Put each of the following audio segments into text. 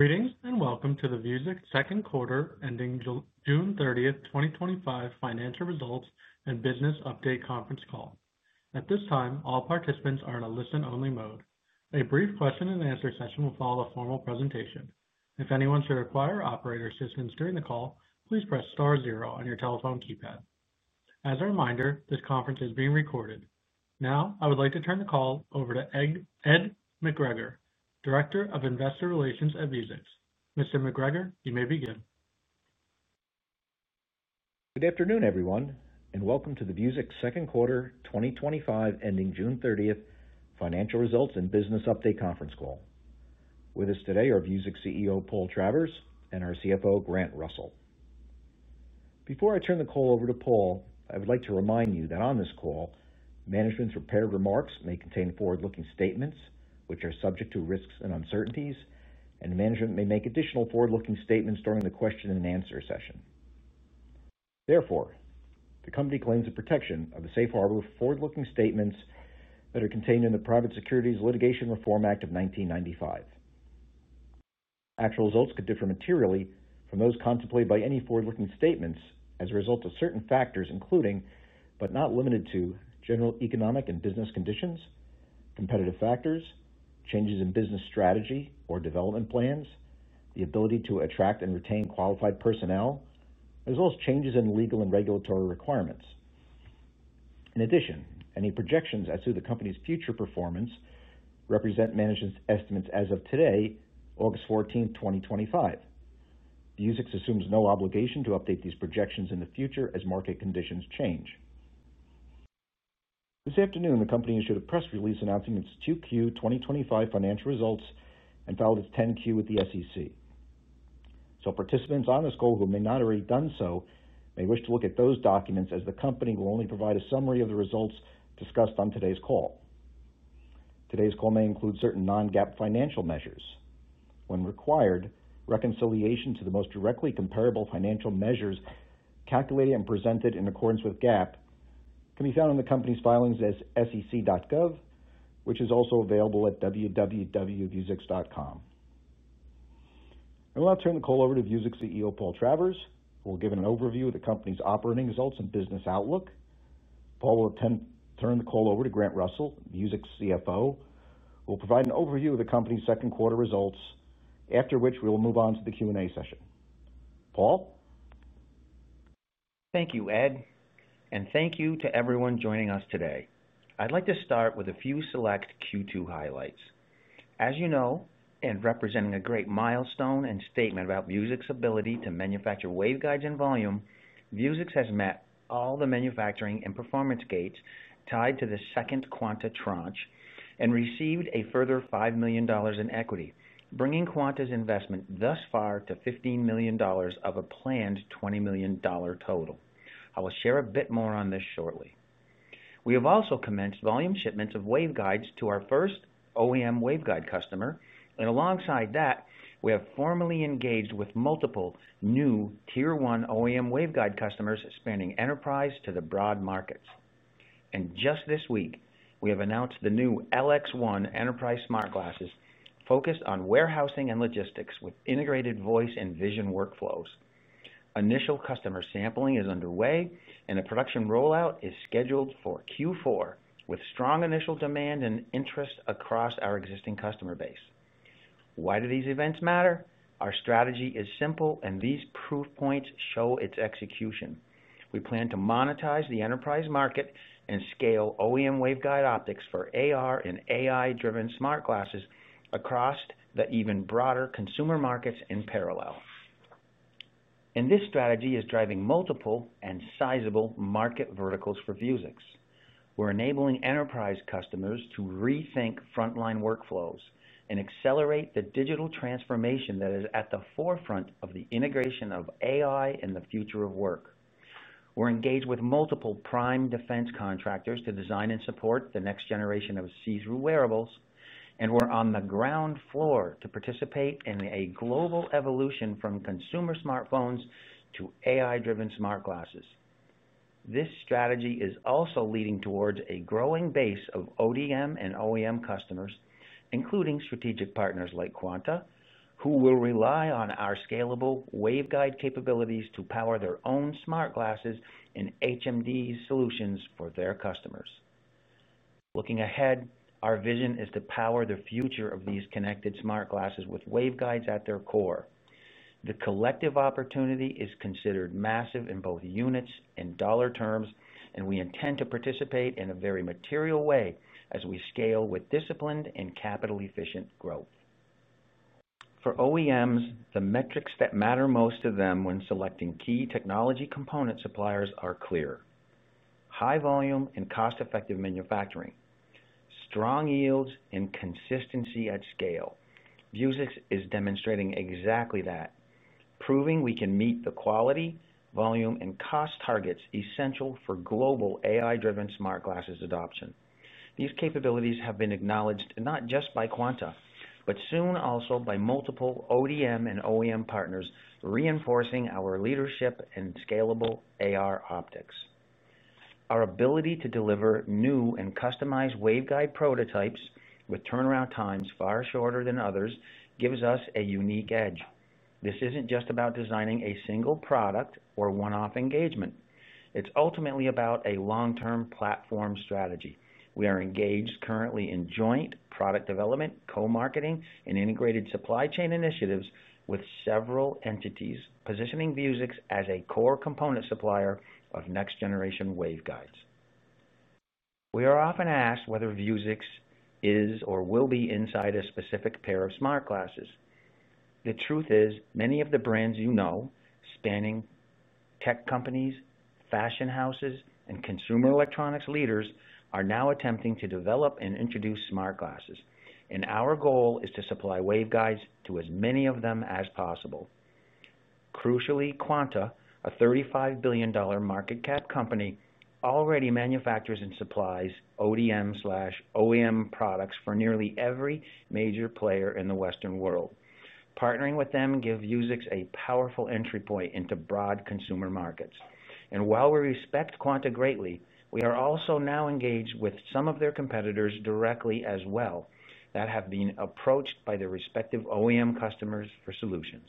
Greetings and welcome to the Vuzix Second Quarter Ending June 30, 2025, Financial Results and Business Update Conference Call. At this time, all participants are in a listen-only mode. A brief question and answer session will follow the formal presentation. If anyone should require operator assistance during the call, please press star zero on your telephone keypad. As a reminder, this conference is being recorded. Now, I would like to turn the call over to Ed McGregor, Director of Investor Relations at Vuzix. Mr. McGregor, you may begin. Good afternoon, everyone, and welcome to the Vuzix Second Quarter 2025 Ending June 30th Financial Results and Business Update Conference Call. With us today are Vuzix CEO Paul Travers and our CFO Grant Russell. Before I turn the call over to Paul, I would like to remind you that on this call, management's prepared remarks may contain forward-looking statements, which are subject to risks and uncertainties, and management may make additional forward-looking statements during the question and answer session. Therefore, the company claims the protection of a safe harbor for forward-looking statements that are contained in the Private Securities Litigation Reform Act of 1995. Actual results could differ materially from those contemplated by any forward-looking statements as a result of certain factors, including, but not limited to, general economic and business conditions, competitive factors, changes in business strategy or development plans, the ability to attract and retain qualified personnel, as well as changes in legal and regulatory requirements. In addition, any projections as to the company's future performance represent management's estimates as of today, August 14, 2025. Vuzix assumes no obligation to update these projections in the future as market conditions change. This afternoon, the company issued a press release announcing its 2Q 2025 financial results and filed its 10-Q with the SEC. Participants on this call who may not have already done so may wish to look at those documents as the company will only provide a summary of the results discussed on today's call. Today's call may include certain non-GAAP financial measures. When required, reconciliation to the most directly comparable financial measures calculated and presented in accordance with GAAP can be found on the company's filings at sec.gov, which is also available at www.vuzix.com. I will now turn the call over to Vuzix CEO Paul Travers, who will give an overview of the company's operating results and business outlook. Paul will turn the call over to Grant Russell, Vuzix CFO, who will provide an overview of the company's second quarter results, after which we will move on to the Q&A session. Paul? Thank you, Ed, and thank you to everyone joining us today. I'd like to start with a few select Q2 highlights. As you know, and representing a great milestone and statement about Vuzix's ability to manufacture waveguides in volume, Vuzix has met all the manufacturing and performance gates tied to the second Quanta tranche and received a further $5 million in equity, bringing Quanta's investment thus far to $15 million of a planned $20 million total. I will share a bit more on this shortly. We have also commenced volume shipments of waveguides to our first OEM waveguide customer, and alongside that, we have formally engaged with multiple new tier-1 OEM waveguide customers spanning enterprise to the broad markets. Just this week, we have announced the new LX1 enterprise smart glasses, focused on warehousing and logistics with integrated voice and vision workflows. Initial customer sampling is underway, and a production rollout is scheduled for Q4, with strong initial demand and interest across our existing customer base. Why do these events matter? Our strategy is simple, and these proof points show its execution. We plan to monetize the enterprise market and scale OEM waveguide optics for AR and AI-driven smart glasses across the even broader consumer markets in parallel. This strategy is driving multiple and sizable market verticals for Vuzix. We're enabling enterprise customers to rethink frontline workflows and accelerate the digital transformation that is at the forefront of the integration of AI in the future of work. We're engaged with multiple prime defense contractors to design and support the next generation of see-through wearables, and we're on the ground floor to participate in a global evolution from consumer smartphones to AI-driven smart glasses. This strategy is also leading towards a growing base of ODM and OEM customers, including strategic partners like Quanta, who will rely on our scalable waveguide capabilities to power their own smart glasses and HMD solutions for their customers. Looking ahead, our vision is to power the future of these connected smart glasses with waveguides at their core. The collective opportunity is considered massive in both units and dollar terms, and we intend to participate in a very material way as we scale with disciplined and capital-efficient growth. For OEMs, the metrics that matter most to them when selecting key technology component suppliers are clear: high volume and cost-effective manufacturing, strong yields, and consistency at scale. Vuzix is demonstrating exactly that, proving we can meet the quality, volume, and cost targets essential for global AI-driven smart glasses adoption. These capabilities have been acknowledged not Quanta, but soon also by multiple ODM and OEM partners, reinforcing our leadership in scalable AR optics. Our ability to deliver new and customized waveguide prototypes with turnaround times far shorter than others gives us a unique edge. This isn't just about designing a single product or one-off engagement. It's ultimately about a long-term platform strategy. We are engaged currently in joint product development, co-marketing, and integrated supply chain initiatives with several entities positioning Vuzix as a core component supplier of next-generation waveguides. We are often asked whether Vuzix is or will be inside a specific pair of smart glasses. The truth is, many of the brands you know, spanning tech companies, fashion houses, and consumer electronics leaders, are now attempting to develop and introduce smart glasses, and our goal is to supply waveguides to as many of them as Quanta, a $35 billion market cap company, already manufactures and supplies ODM/OEM products for nearly every major player in the Western world. Partnering with them gives Vuzix a powerful entry point into broad consumer markets. While we respect Quanta greatly, we are also now engaged with some of their competitors directly as well that have been approached by their respective OEM customers for solutions.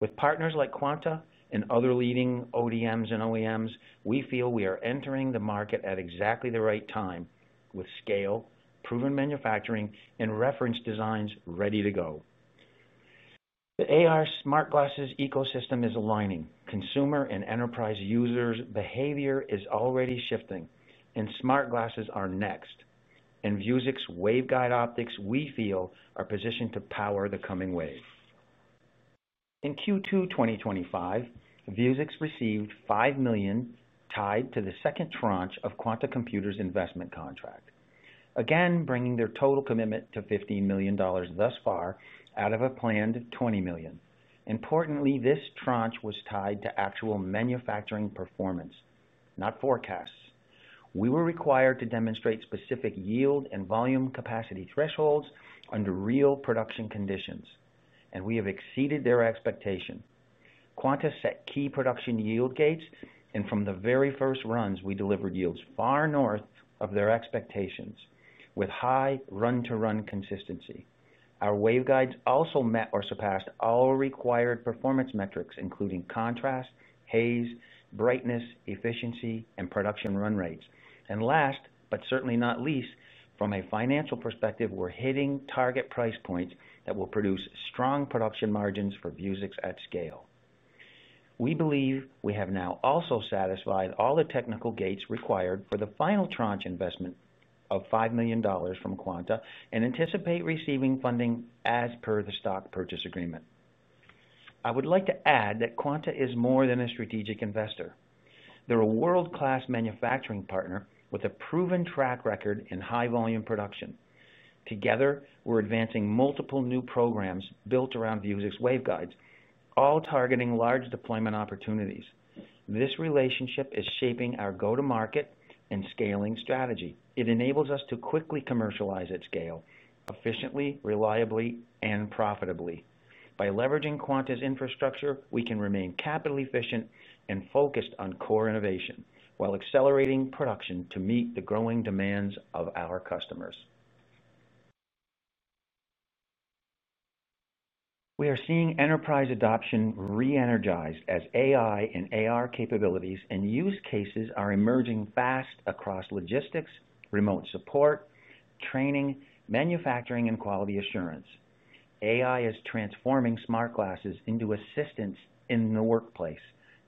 With partners like Quanta and other leading ODMs and OEMs, we feel we are entering the market at exactly the right time with scale, proven manufacturing, and reference designs ready to go. The AR smart glasses ecosystem is aligning; consumer and enterprise users' behavior is already shifting, and smart glasses are next. Vuzix's waveguide optics, we feel, are positioned to power the coming wave. In Q2 2025, Vuzix received $5 million tied to the second tranche of Quanta Computer's investment contract, again bringing their total commitment to $15 million thus far out of a planned $20 million. Importantly, this tranche was tied to actual manufacturing performance, not forecasts. We were required to demonstrate specific yield and volume capacity thresholds under real production conditions, and we have exceeded Quanta set key production yield gates, and from the very first runs, we delivered yields far north of their expectations with high run-to-run consistency. Our waveguides also met or surpassed all required performance metrics, including contrast, haze, brightness, efficiency, and production run rates. Last but certainly not least, from a financial perspective, we're hitting target price points that will produce strong production margins for Vuzix at scale. We believe we have now also satisfied all the technical gates required for the final tranche investment of $5 million from Quanta and anticipate receiving funding as per the stock purchase agreement. I would like to add that Quanta is more than a strategic investor. They're a world-class manufacturing partner with a proven track record in high-volume production. Together, we're advancing multiple new programs built around Vuzix waveguides, all targeting large deployment opportunities. This relationship is shaping our go-to-market and scaling strategy. It enables us to quickly commercialize at scale, efficiently, reliably, and profitably. By leveraging Quanta's infrastructure, we can remain capital-efficient and focused on core innovation while accelerating production to meet the growing demands of our customers. We are seeing enterprise adoption re-energized as AI and AR capabilities and use cases are emerging fast across logistics, remote support, training, manufacturing, and quality assurance. AI is transforming smart glasses into assistants in the workplace,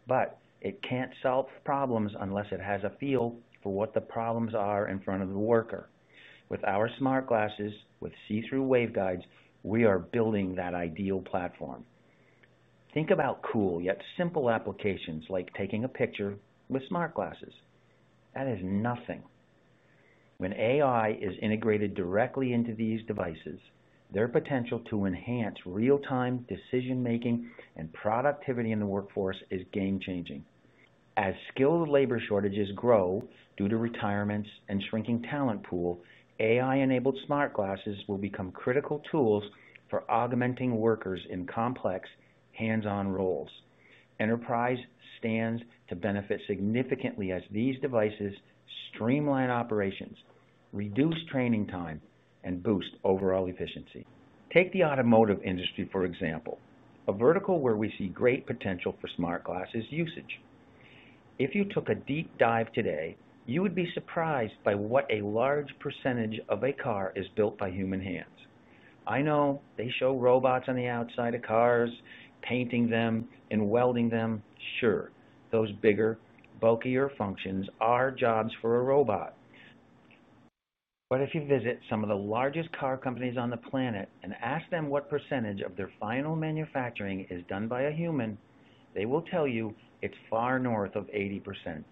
but it can't solve problems unless it has a feel for what the problems are in front of the worker. With our smart glasses, with see-through waveguides, we are building that ideal platform. Think about cool yet simple applications like taking a picture with smart glasses. That is nothing. When AI is integrated directly into these devices, their potential to enhance real-time decision-making and productivity in the workforce is game-changing. As skilled labor shortages grow due to retirements and a shrinking talent pool, AI-enabled smart glasses will become critical tools for augmenting workers in complex hands-on roles. Enterprise stands to benefit significantly as these devices streamline operations, reduce training time, and boost overall efficiency. Take the automotive industry, for example, a vertical where we see great potential for smart glasses usage. If you took a deep dive today, you would be surprised by what a large percentage of a car is built by human hands. I know they show robots on the outside of cars, painting them, and welding them. Sure, those bigger, bulkier functions are jobs for a robot. If you visit some of the largest car companies on the planet and ask them what percentage of their final manufacturing is done by a human, they will tell you it's far north of 80%.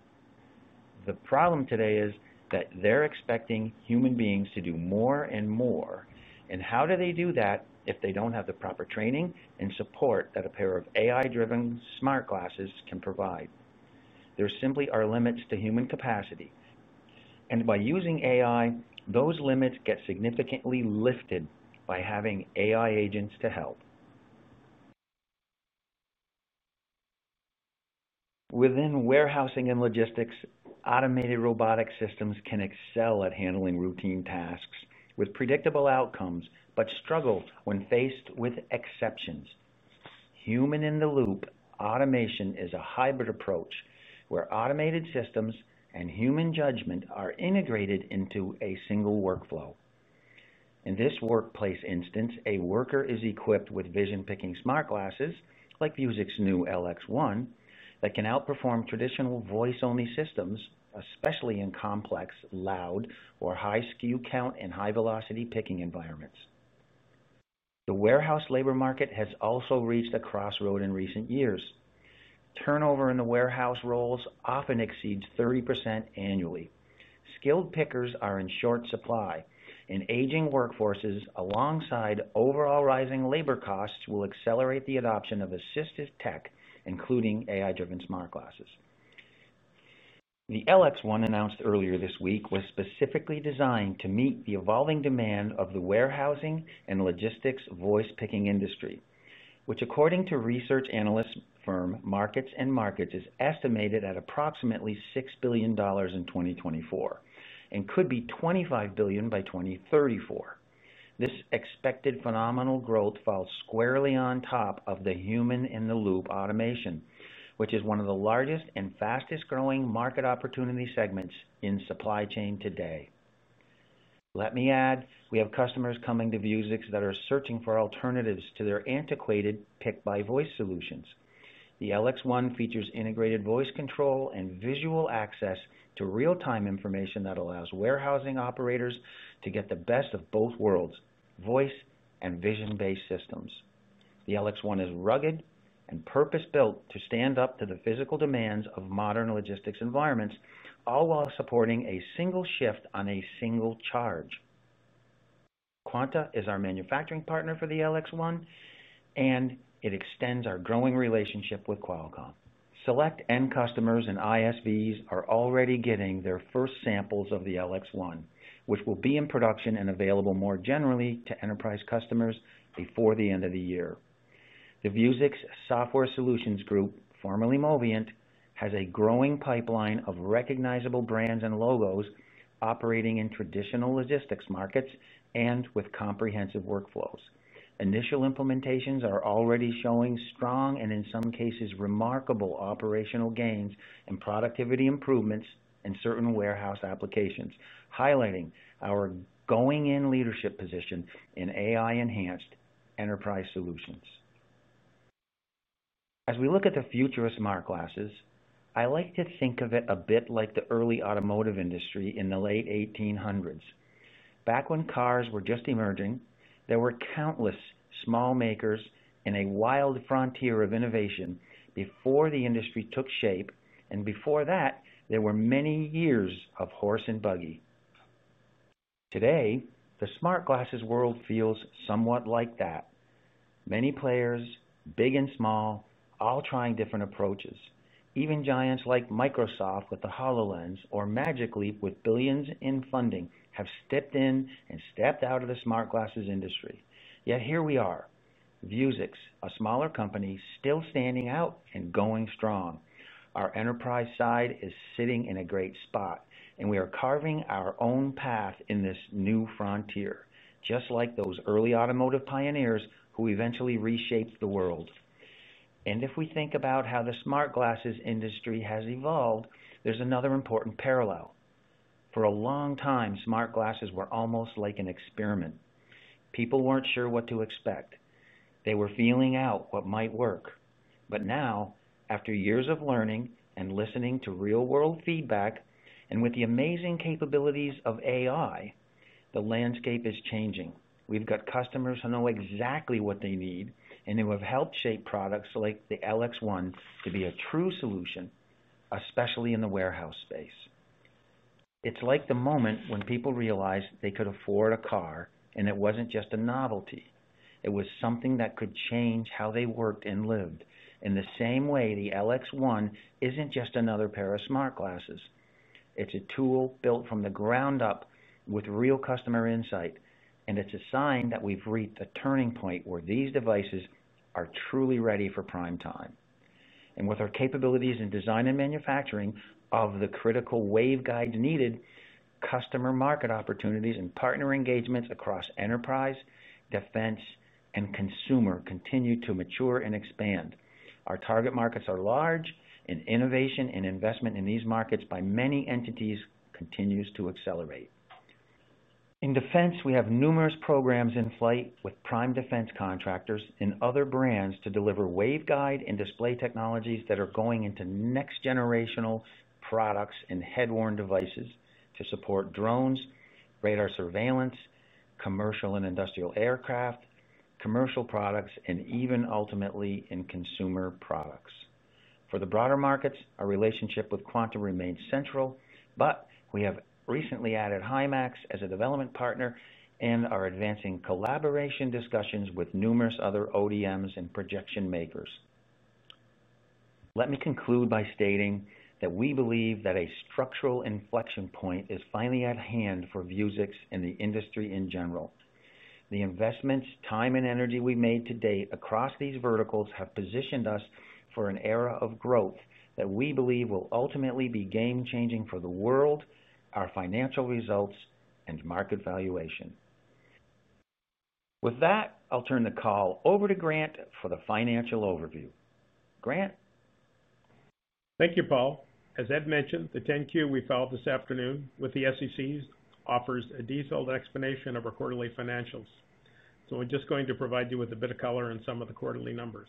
The problem today is that they're expecting human beings to do more and more. How do they do that if they don't have the proper training and support that a pair of AI-driven smart glasses can provide? There simply are limits to human capacity. By using AI, those limits get significantly lifted by having AI agents to help. Within warehousing and logistics, automated robotic systems can excel at handling routine tasks with predictable outcomes, but struggle when faced with exceptions. Human-in-the-loop automation is a hybrid approach where automated systems and human judgment are integrated into a single workflow. In this workplace instance, a worker is equipped with vision-picking smart glasses, like Vuzix's new LX1, that can outperform traditional voice-only systems, especially in complex, loud, or high skew count and high-velocity picking environments. The warehouse labor market has also reached a crossroad in recent years. Turnover in the warehouse roles often exceeds 30% annually. Skilled pickers are in short supply, and aging workforces, alongside overall rising labor costs, will accelerate the adoption of assistive tech, including AI-driven smart glasses. The LX1, announced earlier this week, was specifically designed to meet the evolving demand of the warehousing and logistics voice picking industry, which, according to research analysts from Markets and Markets, is estimated at approximately $6 billion in 2024 and could be $25 billion by 2034. This expected phenomenal growth falls squarely on top of the human-in-the-loop automation, which is one of the largest and fastest-growing market opportunity segments in supply chain today. Let me add, we have customers coming to Vuzix that are searching for alternatives to their antiquated pick-by-voice solutions. The LX1 features integrated voice control and visual access to real-time information that allows warehousing operators to get the best of both worlds: voice and vision-based systems. The LX1 is rugged and purpose-built to stand up to the physical demands of modern logistics environments, all while supporting a single shift on a single charge. Quanta is our manufacturing partner for the LX1, and it extends our growing relationship with Qualcomm. Select end customers and ISVs are already getting their first samples of the LX1, which will be in production and available more generally to enterprise customers before the end of the year. The Vuzix Software Solutions Group, formerly Moviynt, has a growing pipeline of recognizable brands and logos operating in traditional logistics markets and with comprehensive workflows. Initial implementations are already showing strong and, in some cases, remarkable operational gains and productivity improvements in certain warehouse applications, highlighting our going-in leadership position in AI-enhanced enterprise solutions. As we look at the future of smart glasses, I like to think of it a bit like the early automotive industry in the late 1800s. Back when cars were just emerging, there were countless small makers and a wild frontier of innovation before the industry took shape, and before that, there were many years of horse and buggy. Today, the smart glasses world feels somewhat like that. Many players, big and small, all trying different approaches. Even giants like Microsoft with the HoloLens or Magic Leap with billions in funding have stepped in and stepped out of the smart glasses industry. Yet here we are, Vuzix, a smaller company still standing out and going strong. Our enterprise side is sitting in a great spot, and we are carving our own path in this new frontier, just like those early automotive pioneers who eventually reshaped the world. If we think about how the smart glasses industry has evolved, there's another important parallel. For a long time, smart glasses were almost like an experiment. People weren't sure what to expect. They were feeling out what might work. Now, after years of learning and listening to real-world feedback and with the amazing capabilities of AI, the landscape is changing. We've got customers who know exactly what they need and who have helped shape products like the LX1 to be a true solution, especially in the warehouse space. It's like the moment when people realized they could afford a car and it wasn't just a novelty. It was something that could change how they worked and lived. In the same way, the LX1 isn't just another pair of smart glasses. It's a tool built from the ground up with real customer insight, and it's a sign that we've reached a turning point where these devices are truly ready for prime time. With our capabilities in design and manufacturing of the critical waveguides needed, customer market opportunities and partner engagements across enterprise, defense, and consumer continue to mature and expand. Our target markets are large, and innovation and investment in these markets by many entities continues to accelerate. In defense, we have numerous programs in flight with prime defense contractors and other brands to deliver waveguide and display technologies that are going into next-generational products and headworn devices to support drones, radar surveillance, commercial and industrial aircraft, commercial products, and even ultimately in consumer products. For the broader markets, our relationship with Quanta remains central, but we have recently added Hymax as a development partner and are advancing collaboration discussions with numerous other ODMs and projection makers. Let me conclude by stating that we believe that a structural inflection point is finally at hand for Vuzix and the industry in general. The investments, time, and energy we've made to date across these verticals have positioned us for an era of growth that we believe will ultimately be game-changing for the world, our financial results, and market valuation. With that, I'll turn the call over to Grant for the financial overview. Grant? Thank you, Paul. As Ed mentioned, the 10-Q we filed this afternoon with the SEC offers a detailed explanation of our quarterly financials. I'm just going to provide you with a bit of color on some of the quarterly numbers.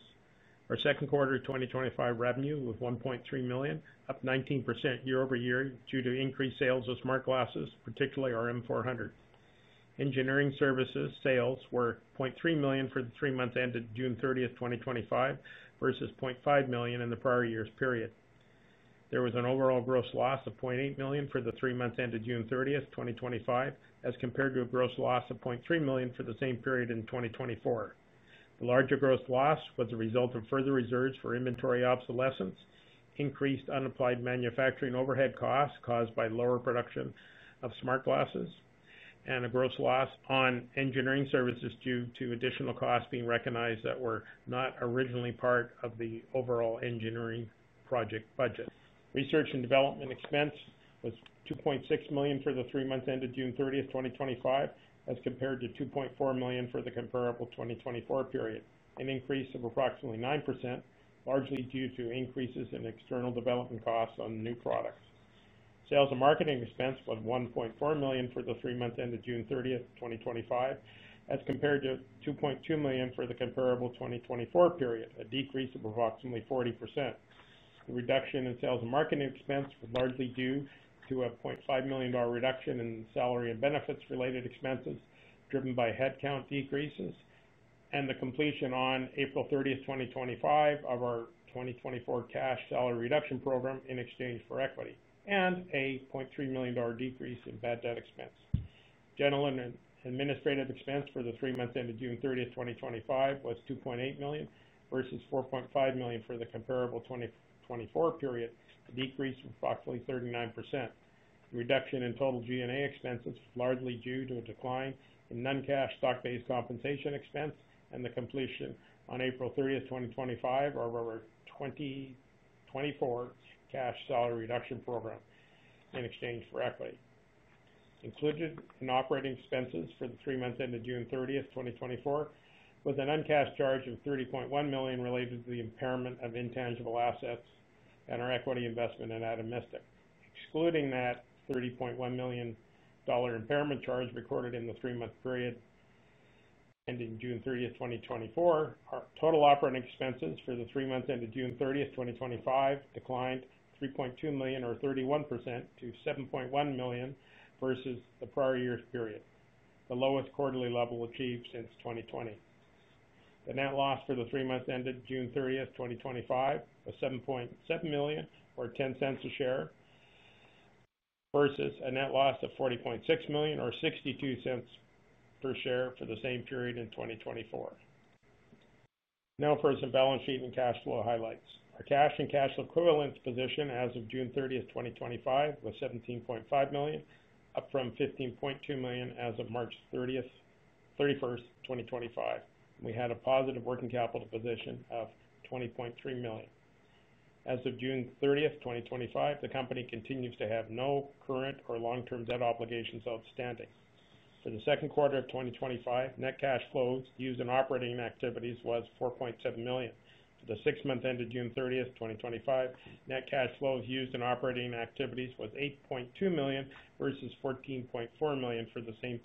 Our second quarter of 2025 revenue was $1.3 million, up 19% year-over-year due to increased sales of smart glasses, particularly our M400. Engineering services sales were $0.3 million for the three months ended June 30, 2025, versus $0.5 million in the prior year's period. There was an overall gross loss of $0.8 million for the three months ended June 30, 2025, as compared to a gross loss of $0.3 million for the same period in 2024. The larger gross loss was the result of further reserves for inventory obsolescence, increased unapplied manufacturing overhead costs caused by lower production of smart glasses, and a gross loss on engineering services due to additional costs being recognized that were not originally part of the overall engineering project budget. Research and development expense was $2.6 million for the three months ended June 30, 2025, as compared to $2.4 million for the comparable 2024 period, an increase of approximately 9%, largely due to increases in external development costs on new products. Sales and marketing expense was $1.4 million for the three months ended June 30, 2025, as compared to $2.2 million for the comparable 2024 period, a decrease of approximately 40%. The reduction in sales and marketing expense was largely due to a $0.5 million reduction in salary and benefits-related expenses driven by headcount decreases and the completion on April 30, 2025, of our 2024 cash salary reduction program in exchange for equity, and a $0.3 million decrease in bad debt expense. General and administrative expense for the three months ended June 30, 2025, was $2.8 million versus $4.5 million for the comparable 2024 period, a decrease of approximately 39%. The reduction in total G&A expenses was largely due to a decline in non-cash stock-based compensation expense and the completion on April 30, 2025, of our 2024 cash salary reduction program in exchange for equity. Included in operating expenses for the three months ended June 30, 2024, was a non-cash charge of $30.1 million related to the impairment of intangible assets and our equity investment in Atomistic. Excluding that $30.1 million impairment charge recorded in the three-month period ending June 30th, 2024, our total operating expenses for the three months ended June 30th, 2025, declined $3.2 million or 31% to $7.1 million versus the prior year's period, the lowest quarterly level achieved since 2020. The net loss for the three months ended June 30th, 2025, was $7.7 million or $0.10 a share versus a net loss of $40.6 million or $0.62 per share for the same period in 2024. Now for some balance sheet and cash flow highlights. Our cash and cash equivalents position as of June 30th, 2025, was $17.5 million, up from $15.2 million as of March 31st, 2025. We had a positive working capital position of $20.3 million. As of June 30th, 2025, the company continues to have no current or long-term debt obligations outstanding. For the second quarter of 2025, net cash flows used in operating activities was $4.7 million. For the six months ended June 30th, 2025, net cash flows used in operating activities was $8.2 million versus $14.4 million for the same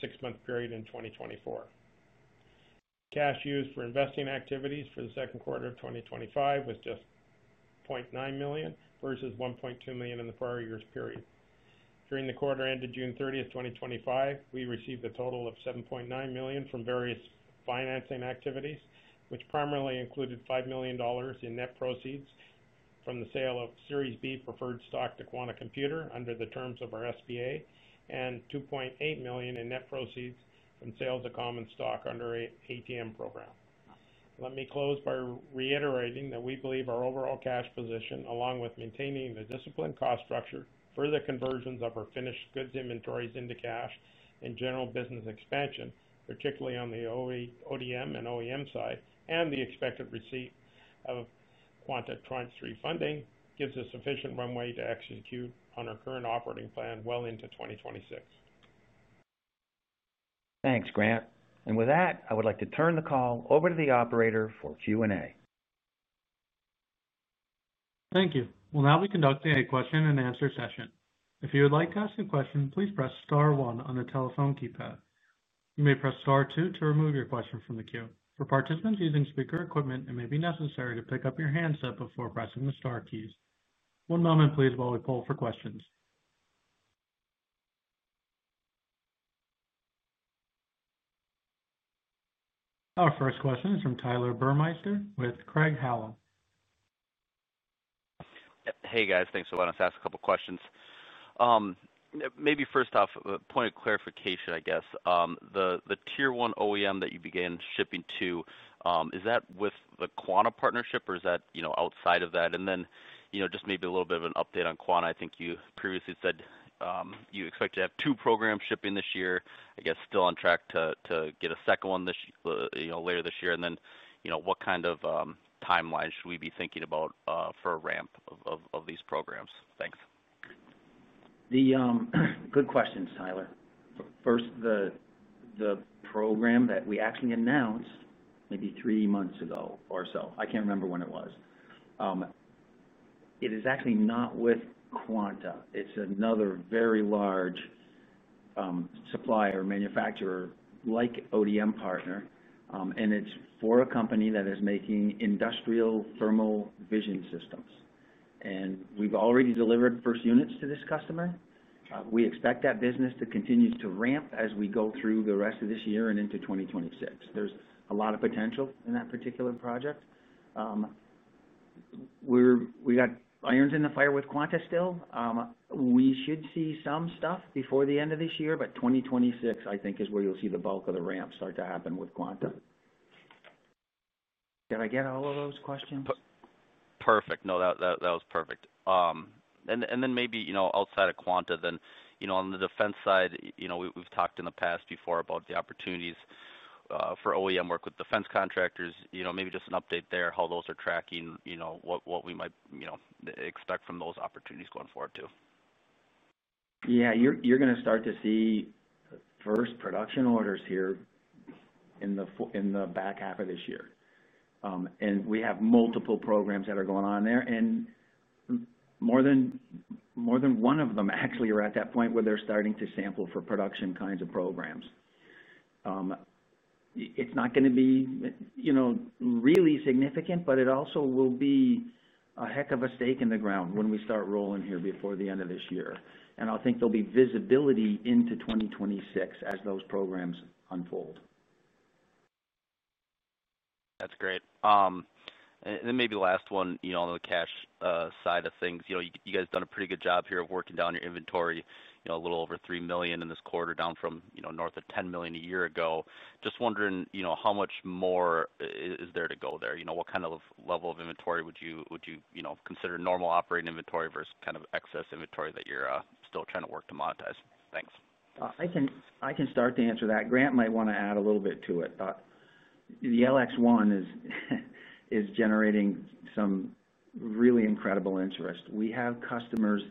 six-month period in 2024. Cash used for investing activities for the second quarter of 2025 was just $0.9 million versus $1.2 million in the prior year's period. During the quarter ended June 30th, 2025, we received a total of $7.9 million from various financing activities, which primarily included $5 million in net proceeds from the sale of Series B preferred stock to Quanta Computer under the terms of our SBA and $2.8 million in net proceeds from sales of common stock under an ATM program. Let me close by reiterating that we believe our overall cash position, along with maintaining the disciplined cost structure, further conversions of our finished goods inventories into cash and general business expansion, particularly on the ODM and OEM side, and the expected receipt of Quanta tranche refunding, gives us sufficient runway to execute on our current operating plan well into 2026. Thanks, Grant. With that, I would like to turn the call over to the operator for Q&A. Thank you. We'll now be conducting a question and answer session. If you would like to ask a question, please press star one on the telephone keypad. You may press star two to remove your question from the queue. For participants using speaker equipment, it may be necessary to pick up your handset before pressing the star keys. One moment, please, while we pull for questions. Our first question is from Tyler Burmeister with Craig-Hallum. Hey guys, thanks for letting us ask a couple of questions. Maybe first off, a point of clarification, I guess. The tier-1 OEM that you began shipping to, is that with the Quanta partnership or is that outside of that? Just maybe a little bit of an Quanta i think you previously said you expect to have two programs shipping this year. I guess still on track to get a second one later this year. What kind of timeline should we be thinking about for a ramp of these programs? Thanks. Good questions, Tyler. First, the program that we actually announced maybe three months ago or so, I can't remember when it was. It is actually Quanta it's another very large supplier, manufacturer-like ODM partner, and it's for a company that is making industrial thermal vision systems. We've already delivered first units to this customer. We expect that business to continue to ramp as we go through the rest of this year and into 2026. There's a lot of potential in that particular project. We've got irons in the with Quanta still. We should see some stuff before the end of this year. 2026, I think, is where you'll see the bulk of the ramp start to Quanta did I get all of those questions? Perfect. No, that was perfect. Maybe, you know, outside of Quanta, on the defense side, we've talked in the past before about the opportunities for OEM work with defense contractors. Maybe just an update there, how those are tracking, what we might expect from those opportunities going forward too. Yeah, you're going to start to see first production orders here in the back half of this year. We have multiple programs that are going on there, and more than one of them actually are at that point where they're starting to sample for production kinds of programs. It's not going to be, you know, really significant, but it also will be a heck of a stake in the ground when we start rolling here before the end of this year. I think there'll be visibility into 2026 as those programs unfold. That's great. Maybe the last one, on the cash side of things, you guys have done a pretty good job here of working down your inventory, a little over $3 million in this quarter, down from north of $10 million a year ago. Just wondering, how much more is there to go there? What kind of level of inventory would you consider normal operating inventory versus kind of excess inventory that you're still trying to work to monetize? Thanks. I can start to answer that. Grant might want to add a little bit to it. The LX1 is generating some really incredible interest. We have customers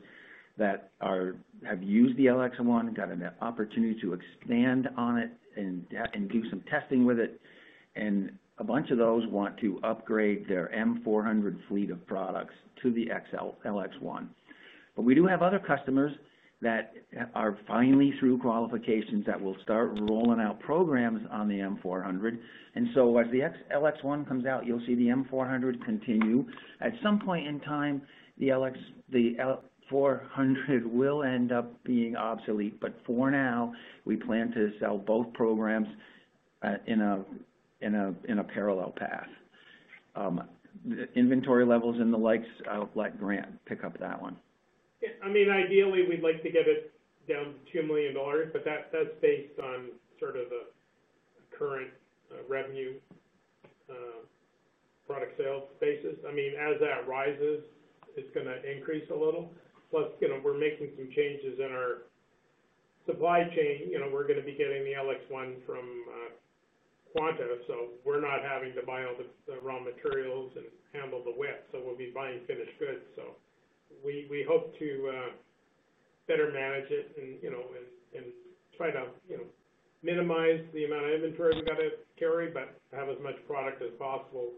that have used the LX1, got an opportunity to expand on it and do some testing with it. A bunch of those want to upgrade their M400 fleet of products to the LX1. We do have other customers that are finally through qualifications that will start rolling out programs on the M400. As the LX1 comes out, you'll see the M400 continue. At some point in time, the M400 will end up being obsolete. For now, we plan to sell both programs in a parallel path. Inventory levels and the likes, I'll let Grant pick up that one. Yeah, I mean, ideally, we'd like to get it down to $2 million, but that's based on sort of the current revenue product sales basis. I mean, as that rises, it's going to increase a little. Plus, we're making some changes in our supply chain. We're going to be getting the LX1 from Quanta, so we're not having to buy all the raw materials and handle the wet. We'll be buying finished goods. We hope to better manage it and try to minimize the amount of inventory we've got to carry, but have as much product as possible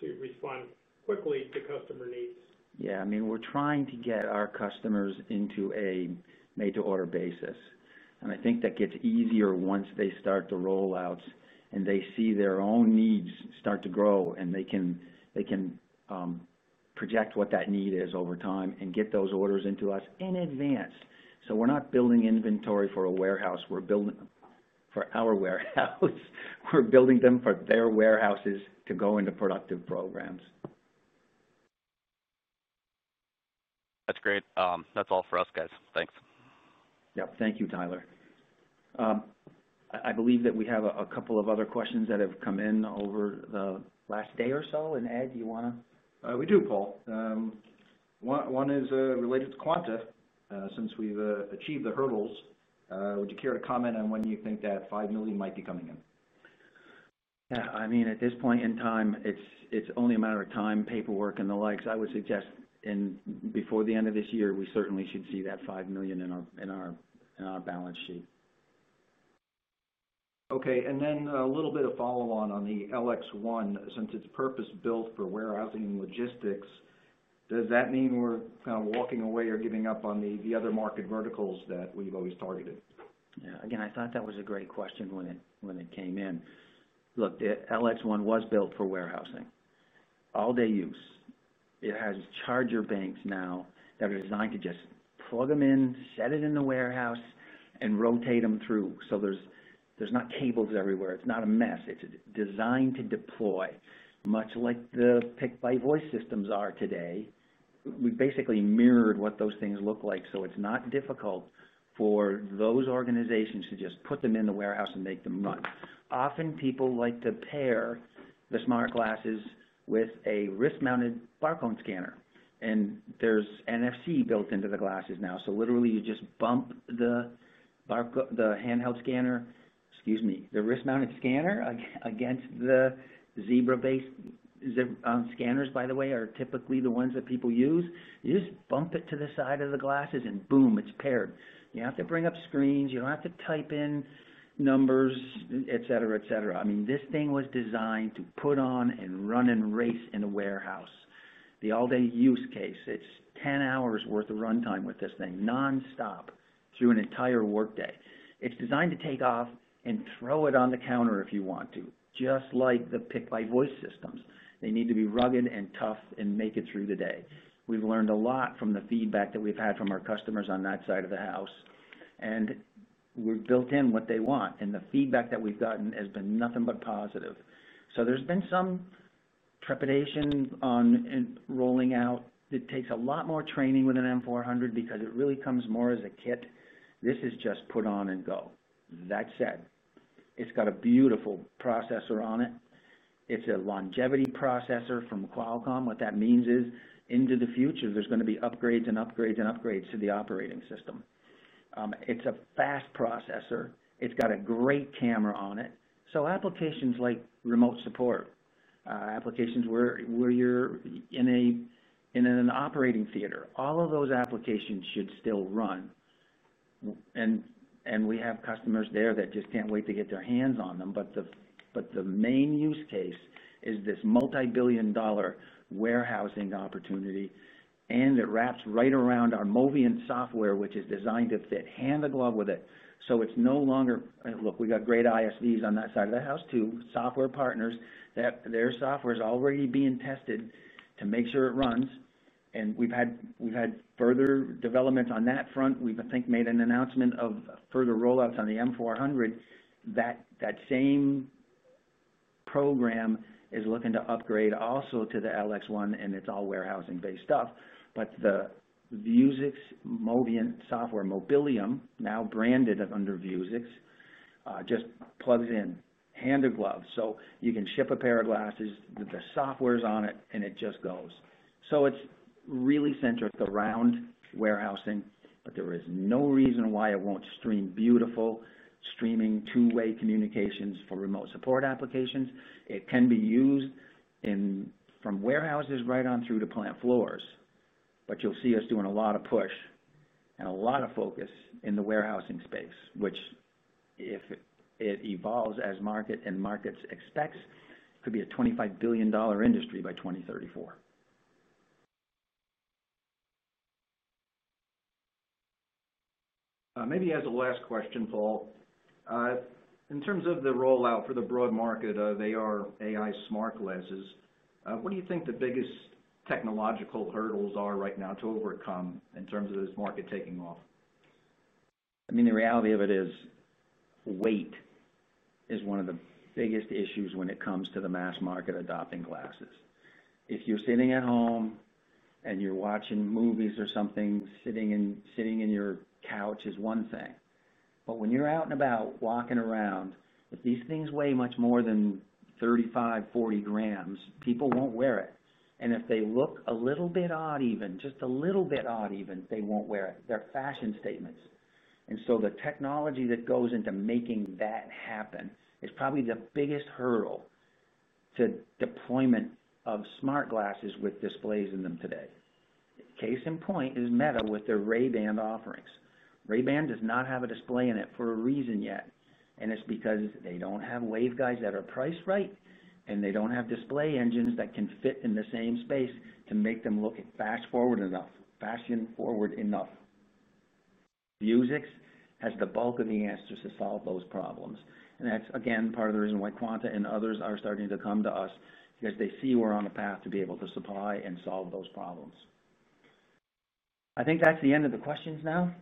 to respond quickly to customer needs. Yeah, I mean, we're trying to get our customers into a made-to-order basis. I think that gets easier once they start the rollouts and they see their own needs start to grow, and they can project what that need is over time and get those orders into us in advance. We're not building inventory for a warehouse. We're building for our warehouse. We're building them for their warehouses to go into productive programs. That's great. That's all for us, guys. Thanks. Thank you, Tyler. I believe that we have a couple of other questions that have come in over the last day or so. Ed, do you want to? We do, Paul. One is Quanta since we've achieved the hurdles, would you care to comment on when you think that $5 million might be coming in? At this point in time, it's only a matter of time, paperwork, and the likes. I would suggest before the end of this year, we certainly should see that $5 million in our balance sheet. Okay, and then a little bit of follow-on on the LX1. Since it's purpose-built for warehousing and logistics, does that mean we're kind of walking away or giving up on the other market verticals that we've always targeted? Yeah, again, I thought that was a great question when it came in. Look, the LX1 was built for warehousing, all-day use. It has charger banks now that are designed to just plug them in, set it in the warehouse, and rotate them through. There's not cables everywhere. It's not a mess. It's designed to deploy, much like the pick-by-voice systems are today. We basically mirrored what those things look like. It's not difficult for those organizations to just put them in the warehouse and make them run. Often, people like to pair the smart glasses with a wrist-mounted barcode scanner. There's NFC built into the glasses now. Literally, you just bump the handheld scanner, excuse me, the wrist-mounted scanner against the zebra-based scanners, by the way, are typically the ones that people use. You just bump it to the side of the glasses and boom, it's paired. You don't have to bring up screens. You don't have to type in numbers, etc., etc. I mean, this thing was designed to put on and run and race in a warehouse. The all-day use case, it's 10 hours' worth of runtime with this thing, nonstop, through an entire workday. It's designed to take off and throw it on the counter if you want to, just like the pick-by-voice systems. They need to be rugged and tough and make it through the day. We've learned a lot from the feedback that we've had from our customers on that side of the house. We've built in what they want. The feedback that we've gotten has been nothing but positive. There's been some trepidation on rolling out. It takes a lot more training with an M400 because it really comes more as a kit. This is just put on and go. That said, it's got a beautiful processor on it. It's a longevity processor from Qualcomm. What that means is, into the future, there's going to be upgrades and upgrades and upgrades to the operating system. It's a fast processor. It's got a great camera on it. Applications like remote support, applications where you're in an operating theater, all of those applications should still run. We have customers there that just can't wait to get their hands on them. The main use case is this multi-billion dollar warehousing opportunity. It wraps right around our Moviynt software, which is designed to fit hand-in-glove with it. It's no longer, look, we've got great ISVs on that side of the house, too, software partners. Their software is already being tested to make sure it runs. We've had further developments on that front. I think we've made an announcement of further rollouts on the M400. That same program is looking to upgrade also to the LX1, and it's all warehousing-based stuff. The Vuzix Moviynt software Mobilium, now branded under Vuzix, just plugs in, hand-in-glove. You can ship a pair of glasses, the software's on it, and it just goes. It's really centric around warehousing, but there is no reason why it won't stream beautiful, streaming two-way communications for remote support applications. It can be used from warehouses right on through to plant floors. You'll see us doing a lot of push and a lot of focus in the warehousing space, which, if it evolves as market and markets expect, could be a $25 billion industry by 2034. Maybe as a last question, Paul, in terms of the rollout for the broad market of AR/AI smart glasses, what do you think the biggest technological hurdles are right now to overcome in terms of this market taking off? I mean, the reality of it is weight is one of the biggest issues when it comes to the mass market adopting glasses. If you're sitting at home and you're watching movies or something, sitting in your couch is one thing. When you're out and about walking around, if these things weigh much more than 35, 40 g, people won't wear it. If they look a little bit odd even, just a little bit odd even, they won't wear it. They're fashion statements. The technology that goes into making that happen is probably the biggest hurdle to deployment of smart glasses with displays in them today. Case in point is Meta with their Ray-Ban offerings. Ray-Ban does not have a display in it for a reason yet. It's because they don't have waveguides that are priced right, and they don't have display engines that can fit in the same space to make them look fashion forward enough. Vuzix has the bulk of the answers to solve those problems. That's, again, part of the reason why Quanta and others are starting to come to us because they see we're on a path to be able to supply and solve those problems. I think that's the end of the questions now.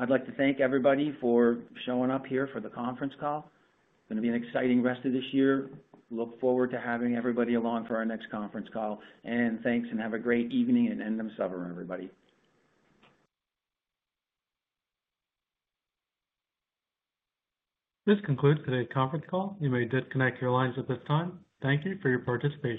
I'd like to thank everybody for showing up here for the conference call. It's going to be an exciting rest of this year. Look forward to having everybody along for our next conference call. Thanks, and have a great evening and end of summer, everybody. This concludes today's conference call. You may disconnect your lines at this time. Thank you for your participation.